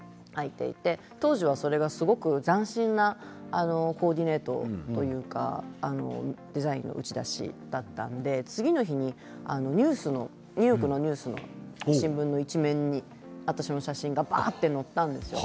当時は、それがすごく斬新なコーディネートというかデザインの打ち出しだったので次の日にニューヨークのニュースの新聞の一面に私の写真が載ったんですよ。